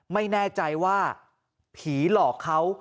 ไม่แน่ใจว่าผีหลอกเขา